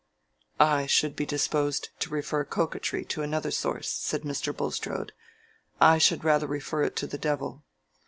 "I should be disposed to refer coquetry to another source," said Mr. Bulstrode. "I should rather refer it to the devil."